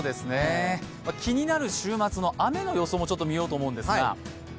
気になる週末の雨の予想もちょっと見ようと思うんですが。